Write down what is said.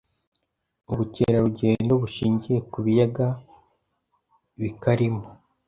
ubukerarugendo bushingiye ku biyaga bikarimo